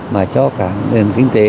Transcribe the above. mà cho cả nền kinh tế